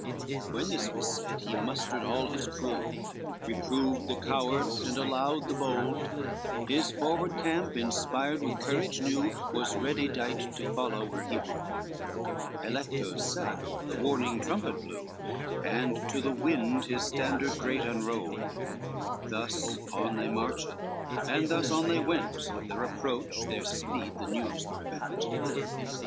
XIII When this was said, he mustered all his crew, Reproved the cowards, and allowed the bold: His forward camp, inspired with courage new, Was ready dight to follow where he would: Alecto's self the warning trumpet blew And to the wind his standard great unrolled, Thus on they marched, and thus on they went, Of their approach their speed the news prevent.